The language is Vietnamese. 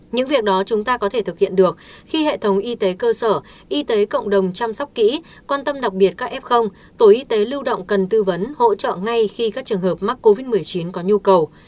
những việc đó chúng ta có thể thực hiện được khi hệ thống y tế cơ sở y tế cộng đồng chăm sóc kỹ quan tâm đặc biệt các f tổ y tế lưu động cần tư vấn hỗ trợ ngay khi các trường hợp mắc covid một mươi chín có nhu cầu